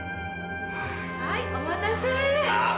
はいお待たせ。